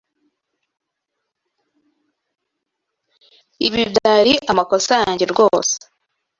Ibi byari amakosa yanjye rwose.